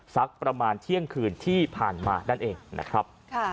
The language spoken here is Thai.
สักประมาณเที่ยงคืนที่ผ่านมานั่นเองนะครับ